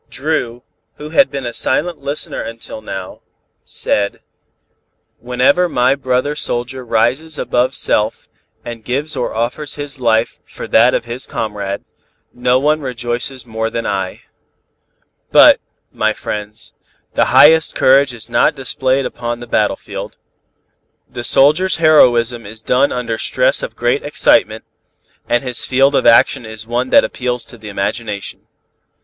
Dru, who had been a silent listener until now, said: "Whenever my brother soldier rises above self and gives or offers his life for that of his comrade, no one rejoices more than I. But, my friends, the highest courage is not displayed upon the battlefield. The soldier's heroism is done under stress of great excitement, and his field of action is one that appeals to the imagination.